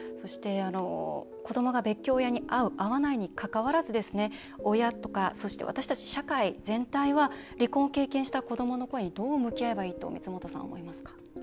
子どもが別居親に会う会わないにかかわらず親とか、そして社会全体は離婚を経験した子どもの声にどう対応していけばいいと光本さん、思いますか？